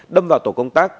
đâm vào tổ công tác